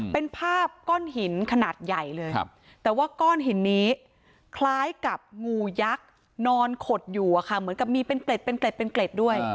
เป็นภาพก้อนหินขนาดใหญ่เลยแต่ว่าก้อนหินนี้คล้ายกับงูยักษ์นอนขดอยู่อะค่ะเหมือนกับมีเป็นเกล็ดเป็นเกล็ดเป็นเกล็ดด้วย